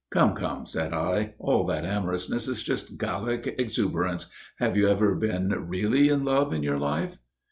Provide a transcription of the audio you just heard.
"Come, come," said I; "all that amorousness is just Gallic exuberance. Have you ever been really in love in your life?"